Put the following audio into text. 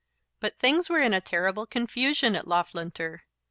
But things were in a terrible confusion at Loughlinter.